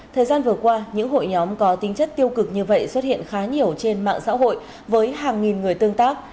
thời gian vừa qua những hội nhóm có tính chất tiêu cực như vậy xuất hiện khá nhiều trên mạng xã hội với hàng nghìn người tương tác